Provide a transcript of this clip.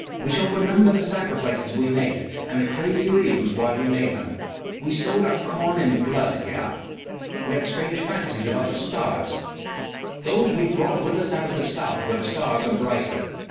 We shall remember the sacrifices we made and the crazy reasons why we made them. We sowed our corn in blood here. We had strange fancies about the stars. Those we brought with us out of the south where the stars are brighter.